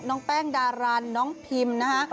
น้องแป้งดารันน้องพิมนะคะ